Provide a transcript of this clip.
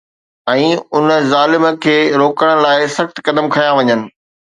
۽ ان ظالم کي روڪڻ لاءِ سخت قدم کنيا وڃن